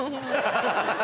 ハハハ。